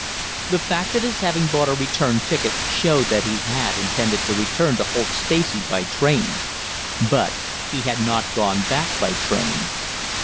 The fact of his having bought a return ticket showed that he had intended to return to Holt Stacey by train. But he had not gone back by train.